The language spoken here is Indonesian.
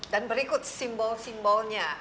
dan berikut simbol simbolnya